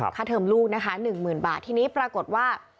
ค่าเทอมลูก๑หมื่นบาททีนี้ปรากฏว่า